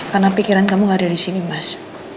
karena pikiran kamu nggak ada di sini mas